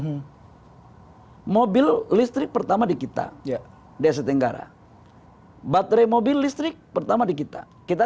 hai mobil listrik pertama di kita ya deh setengah raca baterai mobil listrik pertama di kita kita